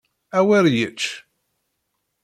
Awer yečč!